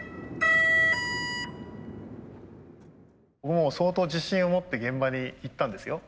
もう相当自信を持って現場に行ったんですよ。